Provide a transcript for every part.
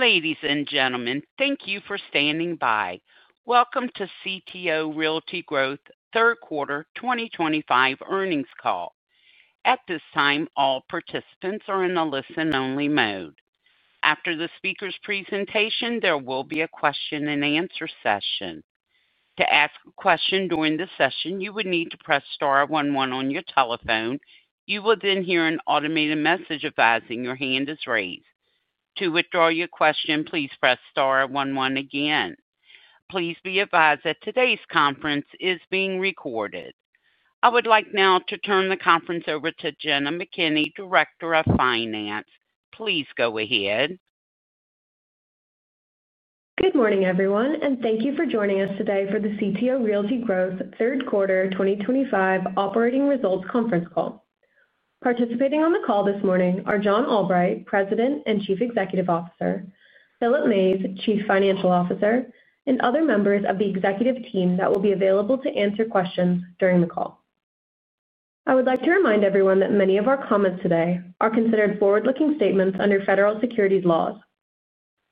Ladies and gentlemen, thank you for standing by. Welcome to CTO Realty Growth's Third Quarter 2025 Earnings Call. At this time, all participants are in a listen-only mode. After the speaker's presentation, there will be a question and answer session. To ask a question during the session, you would need to press star one one on your telephone. You will then hear an automated message advising your hand is raised. To withdraw your question, please press star one one again. Please be advised that today's conference is being recorded. I would like now to turn the conference over to Jenna McKinney, Director of Finance. Please go ahead. Good morning, everyone, and thank you for joining us today for the CTO Realty Growth's third quarter 2025 operating results conference call. Participating on the call this morning are John Albright, President and Chief Executive Officer, Philip Mays, Chief Financial Officer, and other members of the executive team that will be available to answer questions during the call. I would like to remind everyone that many of our comments today are considered forward-looking statements under federal securities laws.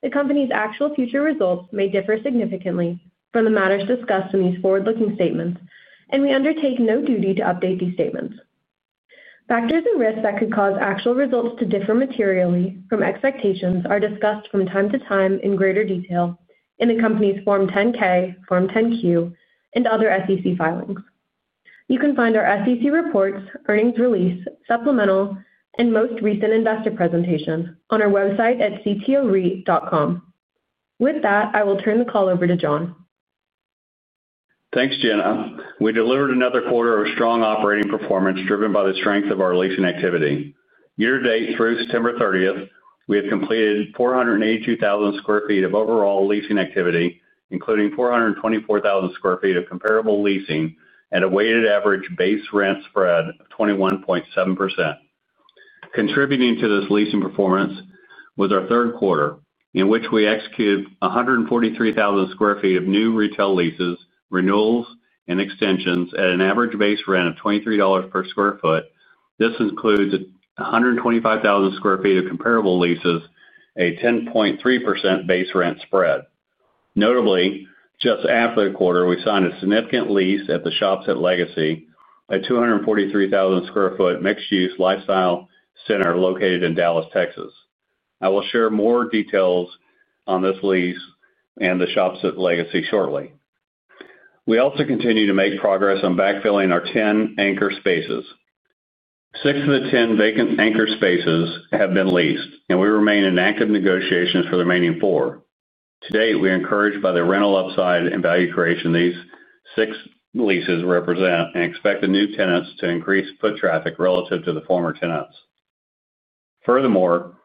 The company's actual future results may differ significantly from the matters discussed in these forward-looking statements, and we undertake no duty to update these statements. Factors and risks that could cause actual results to differ materially from expectations are discussed from time to time in greater detail in the company's Form 10-K, Form 10-Q, and other SEC filings. You can find our SEC reports, earnings release, supplemental, and most recent investor presentation on our website at ctorealty.com. With that, I will turn the call over to John. Thanks, Jenna. We delivered another quarter of strong operating performance driven by the strength of our leasing activity. Year to date through September 30, we have completed 482,000 sq ft of overall leasing activity, including 424,000 sq ft of comparable leasing, and a weighted average base rent spread of 21.7%. Contributing to this leasing performance was our third quarter, in which we executed 143,000 sq ft of new retail leases, renewals, and extensions at an average base rent of $23 per sq ft. This includes 125,000 sq ft of comparable leases, a 10.3% base rent spread. Notably, just after the quarter, we signed a significant lease at the Shops at Legacy, a 243,000 sq ft mixed-use lifestyle center located in Dallas, Texas. I will share more details on this lease and the Shops at Legacy shortly. We also continue to make progress on backfilling our 10 anchor spaces. Six of the 10 vacant anchor spaces have been leased, and we remain in active negotiations for the remaining four. To date, we are encouraged by the rental upside and value creation these six leases represent and expect the new tenants to increase foot traffic relative to the former tenants. Furthermore,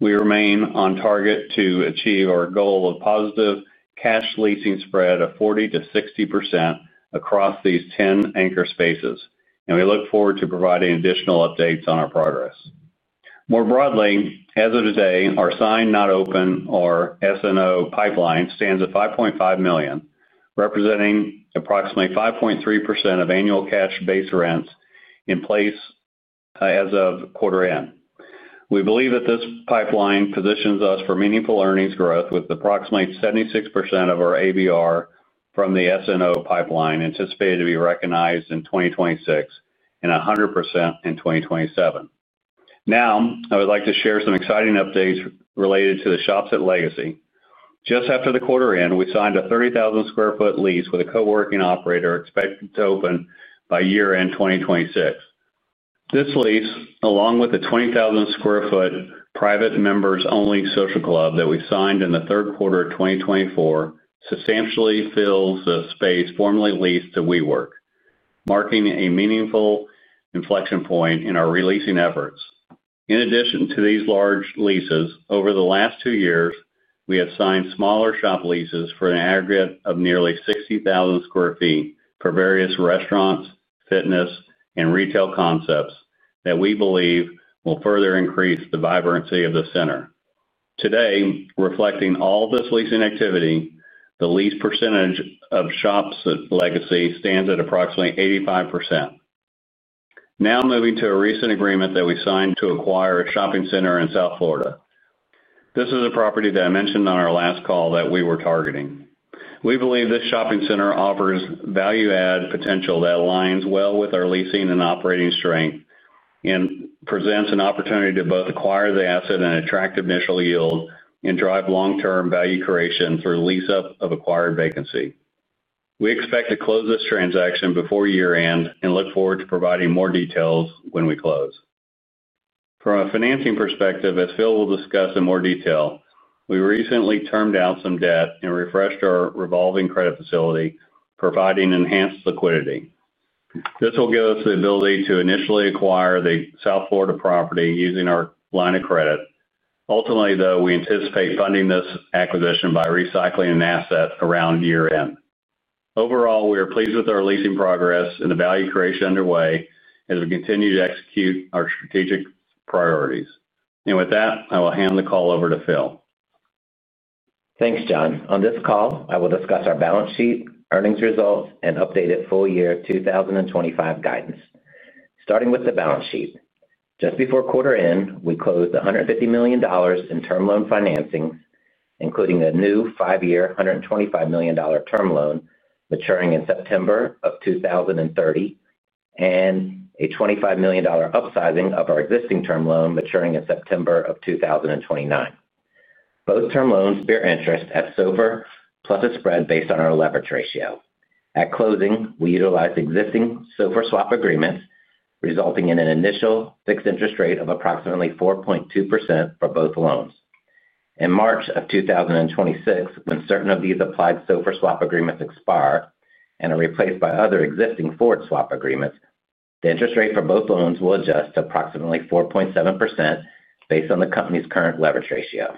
we remain on target to achieve our goal of positive cash leasing spread of 40%-60% across these 10 anchor spaces, and we look forward to providing additional updates on our progress. More broadly, as of today, our signed-not-open or SNO pipeline stands at $5.5 million, representing approximately 5.3% of annual cash base rents in place as of quarter end. We believe that this pipeline positions us for meaningful earnings growth with approximately 76% of our ABR from the SNO pipeline anticipated to be recognized in 2026 and 100% in 2027. Now, I would like to share some exciting updates related to the Shops at Legacy. Just after the quarter end, we signed a 30,000 sq ft lease with a coworking operator expected to open by year-end 2026. This lease, along with the 20,000 sq ft private members-only social club that we signed in the third quarter of 2024, substantially fills the space formerly leased to WeWork, marking a meaningful inflection point in our releasing efforts. In addition to these large leases, over the last two years, we have signed smaller shop leases for an aggregate of nearly 60,000 sq ft for various restaurants, fitness, and retail concepts that we believe will further increase the vibrancy of the center. Today, reflecting all this leasing activity, the lease percentage of Shops at Legacy stands at approximately 85%. Now moving to a recent agreement that we signed to acquire a shopping center in South Florida. This is a property that I mentioned on our last call that we were targeting. We believe this shopping center offers value-add potential that aligns well with our leasing and operating strength and presents an opportunity to both acquire the asset and attract initial yield and drive long-term value creation through lease-up of acquired vacancy. We expect to close this transaction before year-end and look forward to providing more details when we close. From a financing perspective, as Phil will discuss in more detail, we recently termed out some debt and refreshed our revolving credit facility, providing enhanced liquidity. This will give us the ability to initially acquire the South Florida property using our line of credit. Ultimately, though, we anticipate funding this acquisition by recycling an asset around year-end. Overall, we are pleased with our leasing progress and the value creation underway as we continue to execute our strategic priorities. With that, I will hand the call over to Phil. Thanks, John. On this call, I will discuss our balance sheet, earnings results, and updated full-year 2025 guidance. Starting with the balance sheet, just before quarter end, we closed $150 million in term loan financings, including a new five-year $125 million term loan maturing in September of 2030 and a $25 million upsizing of our existing term loan maturing in September of 2029. Both term loans bear interest at SOFR plus a spread based on our leverage ratio. At closing, we utilized existing SOFR swap agreements, resulting in an initial fixed interest rate of approximately 4.2% for both loans. In March of 2026, when certain of these applied SOFR swap agreements expire and are replaced by other existing SOFR swap agreements, the interest rate for both loans will adjust to approximately 4.7% based on the company's current leverage ratio.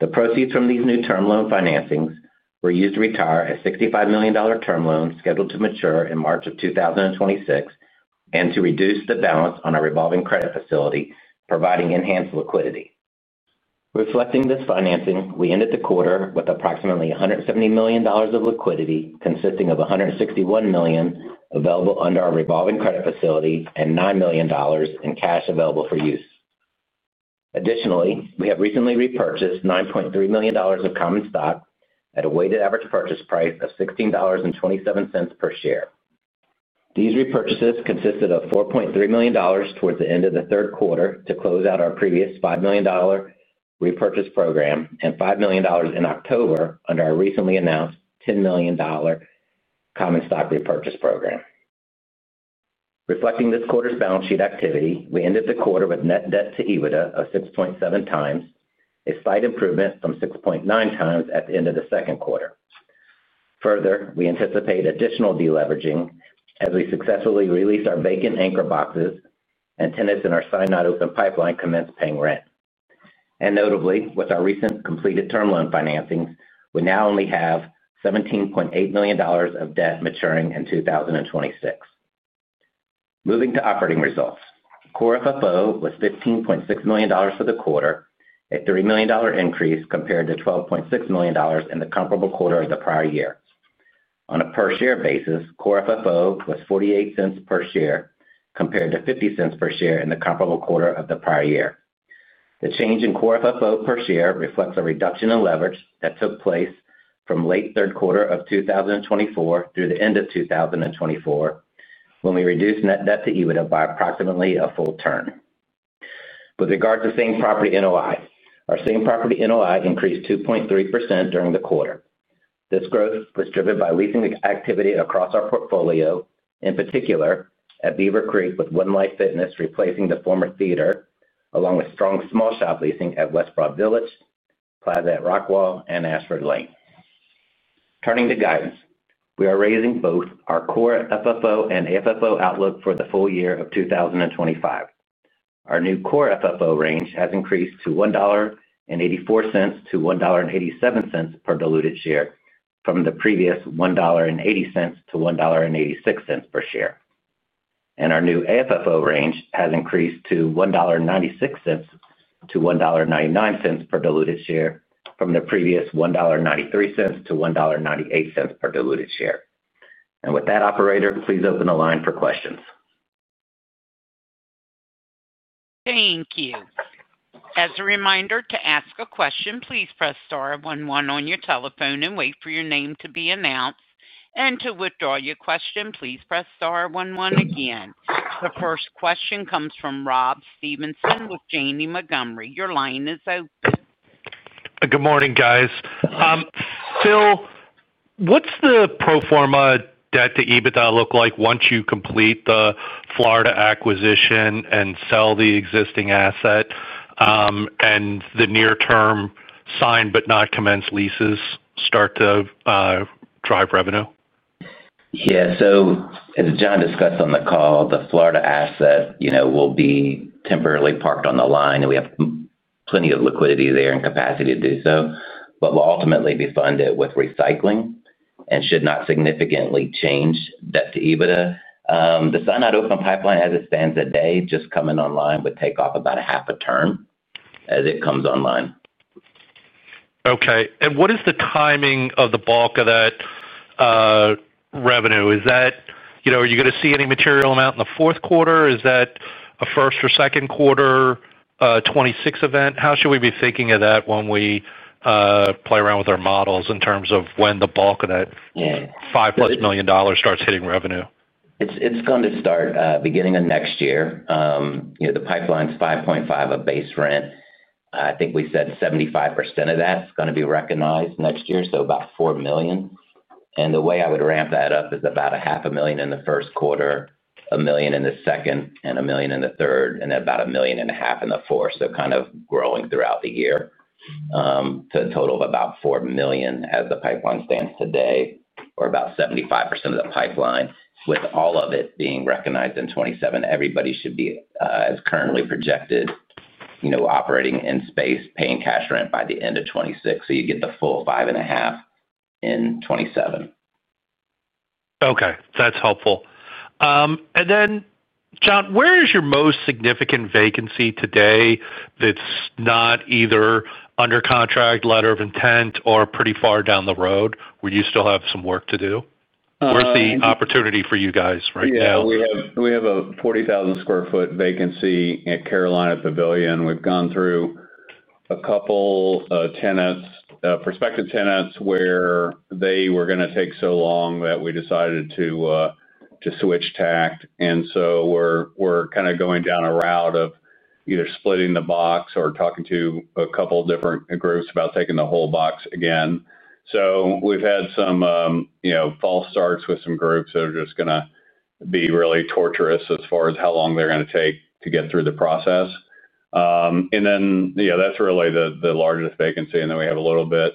The proceeds from these new term loan financings were used to retire a $65 million term loan scheduled to mature in March of 2026 and to reduce the balance on our revolving credit facility, providing enhanced liquidity. Reflecting this financing, we ended the quarter with approximately $170 million of liquidity, consisting of $161 million available under our revolving credit facility and $9 million in cash available for use. Additionally, we have recently repurchased $9.3 million of common stock at a weighted average purchase price of $16.27 per share. These repurchases consisted of $4.3 million towards the end of the third quarter to close out our previous $5 million repurchase program and $5 million in October under our recently announced $10 million common stock repurchase program. Reflecting this quarter's balance sheet activity, we ended the quarter with net debt to EBITDA of 6.7x, a slight improvement from 6.9x at the end of the second quarter. We anticipate additional deleveraging as we successfully release our vacant anchor boxes and tenants in our signed-not-open pipeline commence paying rent. Notably, with our recently completed term loan financings, we now only have $17.8 million of debt maturing in 2026. Moving to operating results, core FFO was $15.6 million for the quarter, a $3 million increase compared to $12.6 million in the comparable quarter of the prior year. On a per-share basis, core FFO was $0.48 per share compared to $0.50 per share in the comparable quarter of the prior year. The change in core FFO per share reflects a reduction in leverage that took place from late third quarter of 2024 through the end of 2024 when we reduced net debt to EBITDA by approximately a full turn. With regard to same property NOI, our same property NOI increased 2.3% during the quarter. This growth was driven by leasing activity across our portfolio, in particular at Beaver Creek with One Life Fitness replacing the former theater, along with strong small shop leasing at West Broad Village, Plaza at Rockwall, and Ashford Lane. Turning to guidance, we are raising both our core FFO and FFO outlook for the full year of 2025. Our new core FFO range has increased to $1.84-$1.87 per diluted share from the previous $1.80-$1.86 per share. Our new FFO range has increased to $1.96-$1.99 per diluted share from the previous $1.93-$1.98 per diluted share. With that, operator, please open the line for questions. Thank you. As a reminder, to ask a question, please press star one one on your telephone and wait for your name to be announced. To withdraw your question, please press star one one again. The first question comes from Rob Stevenson with Janney Montgomery. Your line is open. Good morning, guys. Phil, what's the pro forma debt to EBITDA look like once you complete the Florida acquisition and sell the existing asset, and the near-term signed but not commenced leases start to drive revenue? Yeah, as John discussed on the call, the Florida asset will be temporarily parked on the line, and we have plenty of liquidity there and capacity to do so, but we'll ultimately refund it with recycling and should not significantly change debt to EBITDA. The signed-not-open pipeline, as it stands today, just coming online, would take off about a half a turn as it comes online. Okay, what is the timing of the bulk of that revenue is that? You know, are you going to see any material amount in the fourth quarter? Is that a first or second quarter 2026 event? How should we be thinking of that when we play around with our models in terms of when the bulk of that, Yeah. $5 million+ starts hitting revenue? It's going to start, beginning of next year. You know, the pipeline's $5.5 million of base rent. I think we said 75% of that's going to be recognized next year, so about $4 million. The way I would ramp that up is about $0.5 million in the first quarter, $1 million in the second, and $1 million in the third, and then about $1.5 million in the fourth, kind of growing throughout the year to a total of about $4 million as the pipeline stands today, or about 75% of the pipeline, with all of it being recognized in 2027. Everybody should be, as currently projected, operating in space, paying cash rent by the end of 2026, so you get the full $5.5 million in 2027. Okay, that's helpful. John, where is your most significant vacancy today that's not either under contract, letter of intent, or pretty far down the road where you still have some work to do? Where's the opportunity for you guys right now? We have a 40,000 sq ft vacancy at Carolina Pavilion. We've gone through a couple of tenants, prospective tenants where they were going to take so long that we decided to switch tact. We're kind of going down a route of either splitting the box or talking to a couple of different groups about taking the whole box again. We've had some false starts with some groups that are just going to be really torturous as far as how long they're going to take to get through the process. That's really the largest vacancy, and then we have a little bit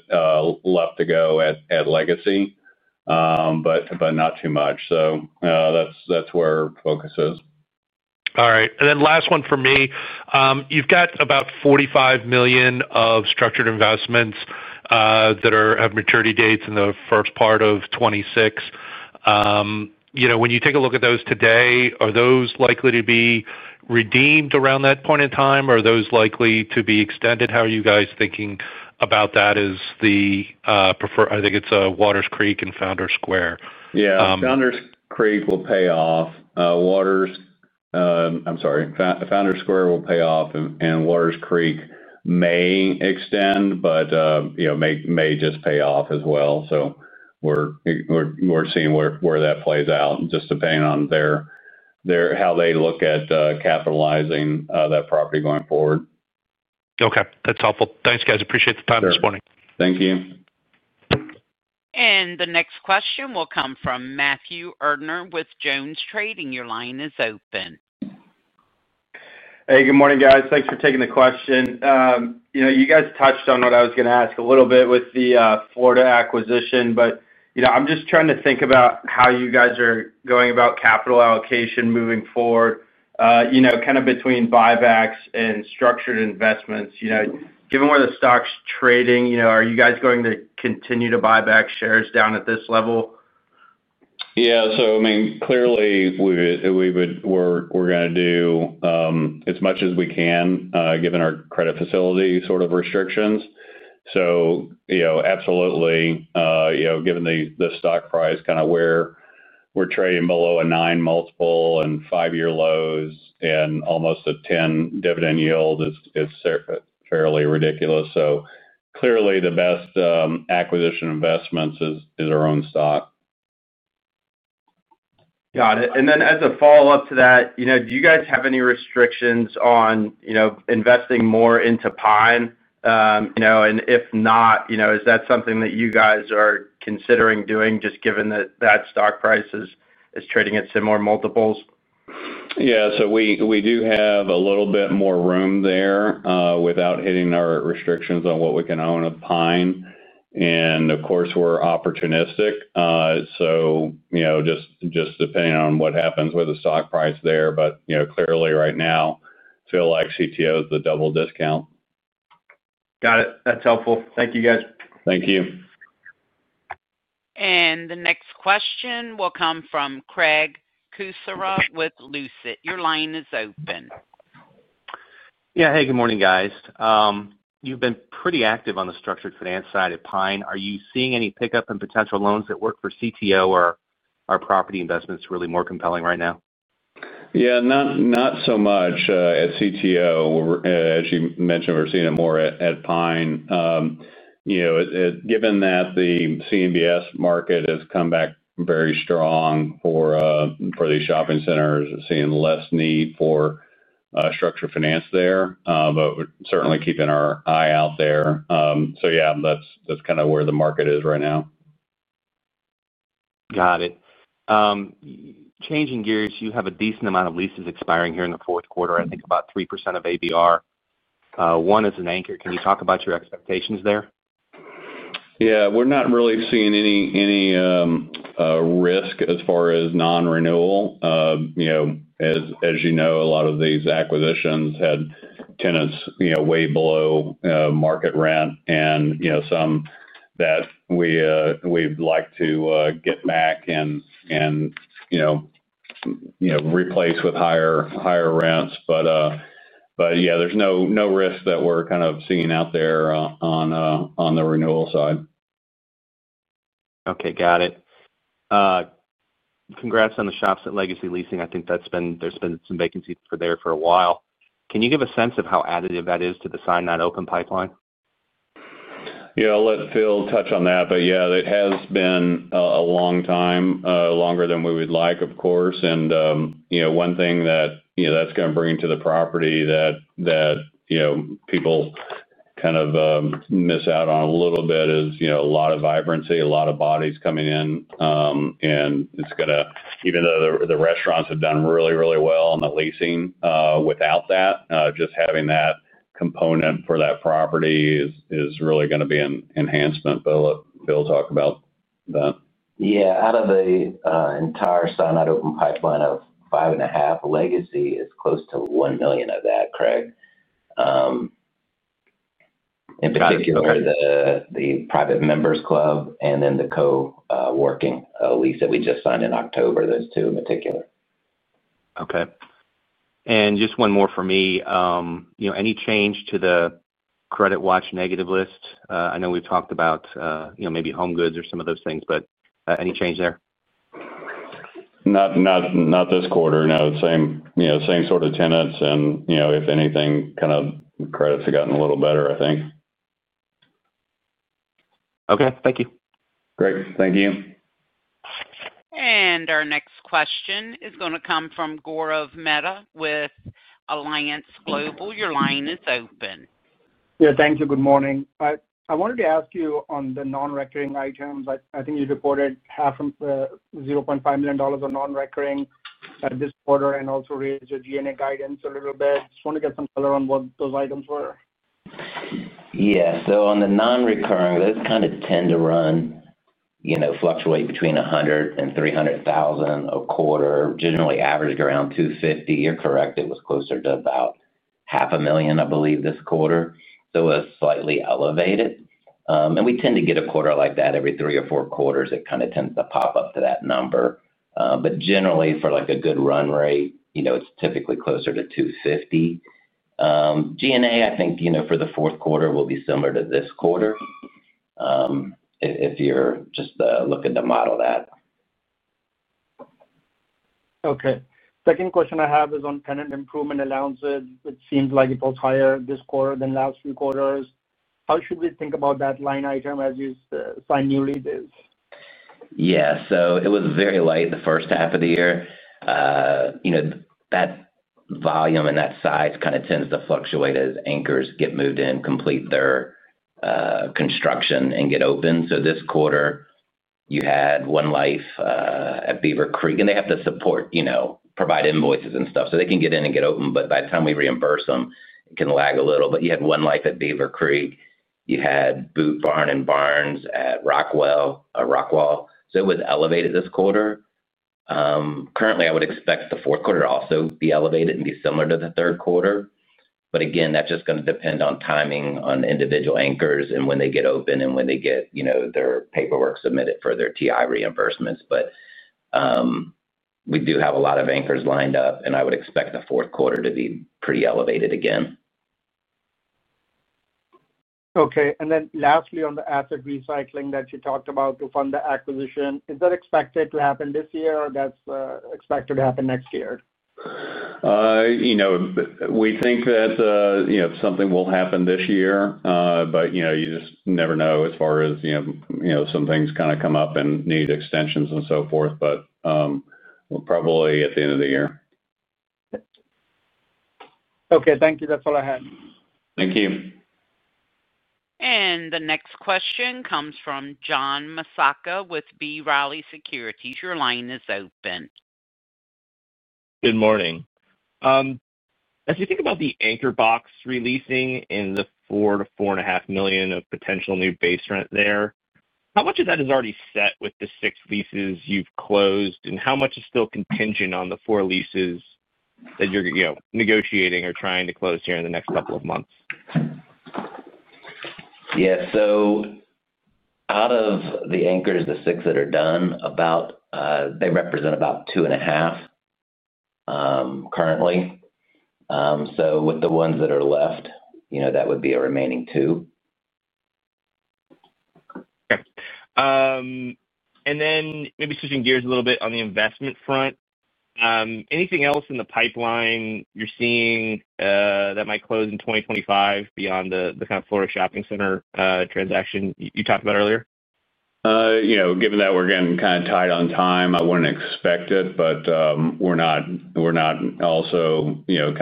left to go at Legacy, but not too much. That's where focus is. All right, and then last one for me. You've got about $45 million of structured investments that have maturity dates in the first part of 2026. When you take a look at those today, are those likely to be redeemed around that point in time, or are those likely to be extended? How are you guys thinking about that as the, I think it's Waters Creek and Founders Square. Yeah, Founders Square will pay off, and Waters Creek may extend, but may just pay off as well. We're seeing where that plays out and just depending on how they look at capitalizing that property going forward. Okay, that's helpful. Thanks, guys. Appreciate the time this morning. Thank you. The next question will come from Matthew Erdner with Jones Trading. Your line is open. Hey, good morning, guys. Thanks for taking the question. You know, you guys touched on what I was going to ask a little bit with the Florida acquisition, but I'm just trying to think about how you guys are going about capital allocation moving forward, kind of between buybacks and structured investments. You know, given where the stock's trading, are you guys going to continue to buy back shares down at this level? Yeah, I mean, clearly, we would, we're going to do as much as we can, given our credit facility restrictions. Absolutely, given the stock price, kind of where we're trading below a nine multiple and five-year lows and almost a 10% dividend yield, is fairly ridiculous. Clearly, the best acquisition investment is our own stock. Got it. As a follow-up to that, do you guys have any restrictions on investing more into PINE? If not, is that something that you guys are considering doing, just given that that stock price is trading at similar multiples? Yeah, we do have a little bit more room there without hitting our restrictions on what we can own of PINE. Of course, we're opportunistic, so just depending on what happens with the stock price there, but clearly right now, I feel like CTO is the double discount. Got it. That's helpful. Thank you, guys. Thank you. The next question will come from Craig Kucera with Lucid. Your line is open. Yeah, hey, good morning, guys. You've been pretty active on the structured finance side at PINE. Are you seeing any pickup in potential loans that work for CTO, or are property investments really more compelling right now? Yeah, not so much at CTO. As you mentioned, we're seeing it more at PINE. You know, given that the CMBS market has come back very strong for these shopping centers, seeing less need for structured finance there, but certainly keeping our eye out there. That's kind of where the market is right now. Got it. Changing gears, you have a decent amount of leases expiring here in the fourth quarter, I think about 3% of ABR. One is an anchor. Can you talk about your expectations there? Yeah, we're not really seeing any risk as far as non-renewal. As you know, a lot of these acquisitions had tenants way below market rent and some that we'd like to get back and replace with higher rents. Yeah, there's no risk that we're kind of seeing out there on the renewal side. Okay, got it. Congrats on the Shops at Legacy leasing. I think that's been, there's been some vacancy there for a while. Can you give a sense of how additive that is to the signed-not-open pipeline? Yeah, I'll let Phil touch on that, but it has been a long time, longer than we would like, of course. You know, one thing that that's going to bring to the property that people kind of miss out on a little bit is a lot of vibrancy, a lot of bodies coming in. It's going to, even though the restaurants have done really, really well on the leasing, without that, just having that component for that property is really going to be an enhancement. We'll talk about that. Yeah, out of the entire signed-not-open pipeline of $5.5 million, Legacy is close to $1 million of that, Craig. In particular, the private members club and then the coworking lease that we just signed in October, those two in particular. Okay. Just one more for me, any change to the credit watch negative list? I know we've talked about maybe home goods or some of those things, but any change there? Not this quarter. No, same sort of tenants. If anything, credits have gotten a little better, I think. Okay, thank you. Great, thank you. Our next question is going to come from Gaurav Mehta with Alliance Global. Your line is open. Yeah, thank you. Good morning. I wanted to ask you on the non-recurring items. I think you reported half from $0.5 million on non-recurring at this quarter and also raised your G&A guidance a little bit. I just want to get some color on what those items were. Yeah, so on the non-recurring, those kind of tend to run, you know, fluctuate between $100,000 and $300,000 a quarter. Generally, average around $250,000. You're correct, it was closer to about $500,000, I believe, this quarter. It was slightly elevated. We tend to get a quarter like that every three or four quarters. It kind of tends to pop up to that number, but generally, for like a good run rate, you know, it's typically closer to $250,000. DNA, I think, you know, for the fourth quarter will be similar to this quarter if you're just looking to model that. Okay. Second question I have is on tenant improvement allowances, which seems like it was higher this quarter than last few quarters. How should we think about that line item as you signed new leases? Yeah, so it was very light the first half of the year. You know, that volume and that size kind of tends to fluctuate as anchors get moved in, complete their construction, and get open. This quarter, you had One Life at Beaver Creek, and they have to support, you know, provide invoices and stuff, so they can get in and get open. By the time we reimburse them, it can lag a little. You had One Life at Beaver Creek. You had Boot Barn and Barnes at Rockwall. It was elevated this quarter. Currently, I would expect the fourth quarter to also be elevated and be similar to the third quarter. Again, that's just going to depend on timing on individual anchors and when they get open and when they get, you know, their paperwork submitted for their TI reimbursements. We do have a lot of anchors lined up, and I would expect the fourth quarter to be pretty elevated again. Okay. Lastly, on the asset recycling that you talked about to fund the acquisition, is that expected to happen this year or that's expected to happen next year? We think that something will happen this year, but you just never know as far as some things kind of come up and need extensions and so forth. We'll probably at the end of the year. Okay, thank you. That's all I had. Thank you. The next question comes from John Massocca with B. Riley Securities. Your line is open. Good morning. As you think about the anchor box releasing and the $4 million-$4.5 million of potential new base rent there, how much of that is already set with the six leases you've closed, and how much is still contingent on the four leases that you're negotiating or trying to close here in the next couple of months? Yeah, out of the anchors, the six that are done represent about $2.5 million currently. With the ones that are left, that would be a remaining $2 million. Okay, and then maybe switching gears a little bit on the investment front. Anything else in the pipeline you're seeing that might close in 2025 beyond the kind of South Florida shopping center transaction you talked about earlier? Given that we're getting kind of tied on time, I wouldn't expect it, but we're not also, you know,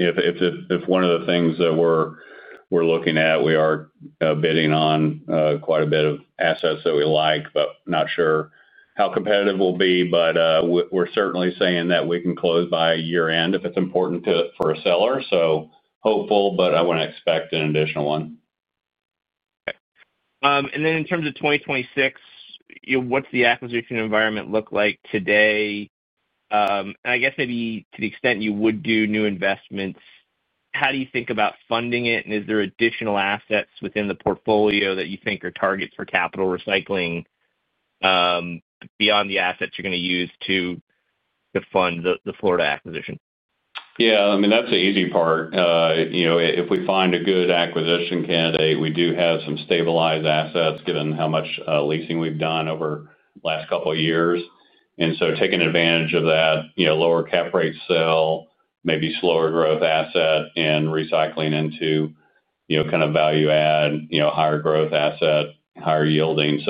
if one of the things that we're looking at, we are bidding on quite a bit of assets that we like, not sure how competitive we'll be. We're certainly saying that we can close by year-end if it's important to a seller. Hopeful, but I wouldn't expect an additional one. Okay, and then in terms of 2026, you know, what's the acquisition environment look like today? I guess maybe to the extent you would do new investments, how do you think about funding it, and is there additional assets within the portfolio that you think are targets for capital recycling, beyond the assets you're going to use to fund the Florida acquisition? Yeah, I mean, that's the easy part. If we find a good acquisition candidate, we do have some stabilized assets given how much leasing we've done over the last couple of years. Taking advantage of that lower cap rate sell, maybe slower growth asset, and recycling into kind of value-add, higher growth asset, higher yielding.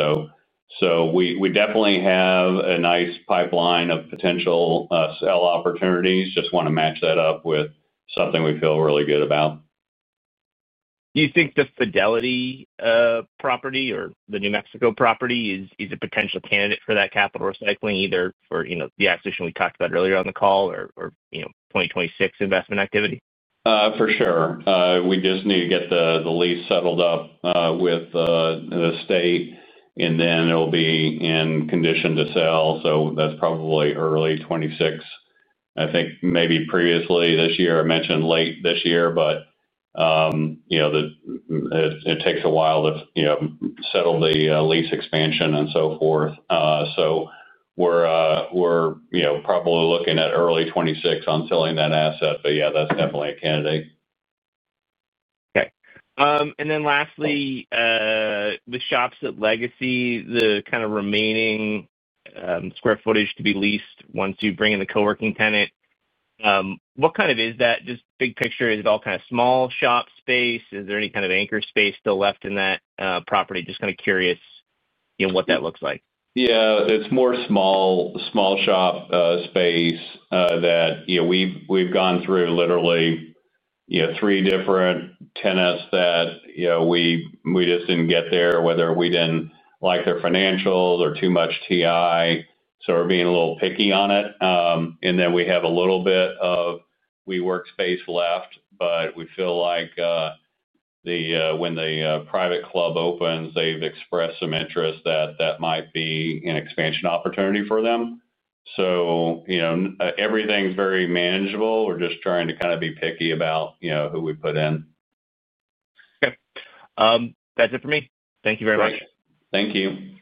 We definitely have a nice pipeline of potential sell opportunities. Just want to match that up with something we feel really good about. Do you think the Fidelity property or the New Mexico property is a potential candidate for that capital recycling either for, you know, the acquisition we talked about earlier on the call or, you know, 2026 investment activity? For sure. We just need to get the lease settled up with the state, and then it'll be in condition to sell. That's probably early 2026. I think maybe previously this year, I mentioned late this year, but it takes a while to settle the lease expansion and so forth. We're probably looking at early 2026 on selling that asset. Yeah, that's definitely a candidate. Okay, and then lastly, with Shops at Legacy, the kind of remaining sq ftage to be leased once you bring in the coworking tenant, what kind is that? Just big picture, is it all kind of small shop space? Is there any kind of anchor space still left in that property? Just kind of curious, you know, what that looks like. Yeah, it's more small shop space that, you know, we've gone through literally, you know, three different tenants that, you know, we just didn't get there, whether we didn't like their financials or too much TI. We're being a little picky on it. We have a little bit of WeWork space left, but we feel like when the private club opens, they've expressed some interest that that might be an expansion opportunity for them. Everything's very manageable. We're just trying to kind of be picky about, you know, who we put in. Okay, that's it for me. Thank you very much. Thank you.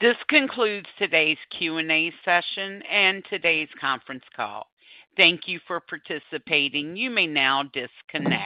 This concludes today's Q&A session and today's conference call. Thank you for participating. You may now disconnect.